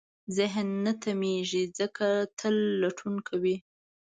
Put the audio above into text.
ذهن نه تمېږي، ځکه تل لټون کوي.